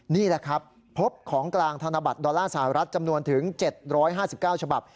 นี่แหละครับพบของกลางธนบัตรดอลลาร์สหรัฐจำนวนถึง๗๕๙ฉบับ